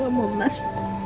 aku gak mau masuk